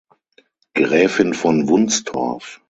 Gräfin von Wunstorf.